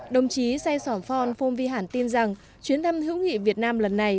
đồng chí say sổm phon phôn vi hẳn tin rằng chuyến thăm hữu nghị việt nam lần này